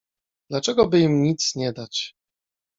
— Dlaczego by im nic nie dać?